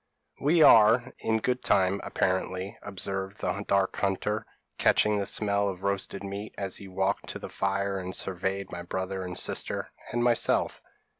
p> "'We are in good time, apparently,' observed the dark hunter, catching the smell of the roasted meat, as he walked to the fire and surveyed my brother and sister, and myself.